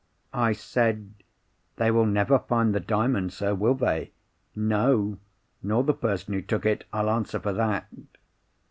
I said, 'They will never find the Diamond, sir, will they? No! nor the person who took it—I'll answer for that.